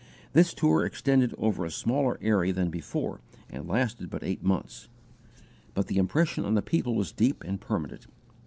This tour extended over a smaller area than before, and lasted but eight months; but the impression on the people was deep and permanent.